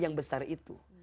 yang besar itu